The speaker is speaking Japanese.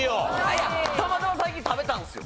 いやたまたま最近食べたんですよ。